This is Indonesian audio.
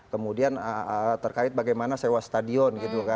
kemudian terkait bagaimana sewa stadion